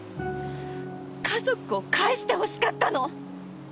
家族を返してほしかったの！